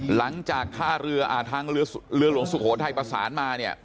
หลังจากท่าเรือทางเรือหลวงสุโขทัยประสานมาเนี่ย